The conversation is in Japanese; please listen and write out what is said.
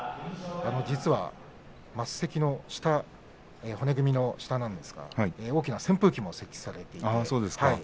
実は升席の下骨組みの下なんですが大きな扇風機も設置されているんです。